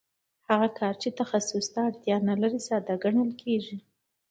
هغه کار چې تخصص ته اړتیا نلري ساده ګڼل کېږي